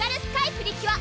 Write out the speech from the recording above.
プリキュア